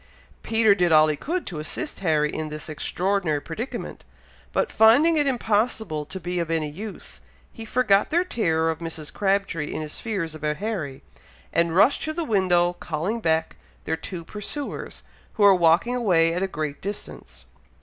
Peter did all he could to assist Harry in this extraordinary predicament, but finding it impossible to be of any use, he forgot their terror of Mrs. Crabtree in his fears about Harry, and rushed to the window, calling back their two pursuers, who were walking away at a great distance.